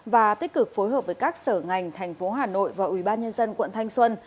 và tích cực phối hợp với các sở ngành thành phố hà nội và ubnd quận thanh xuân